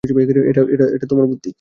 এটা তোমার বুদ্ধি?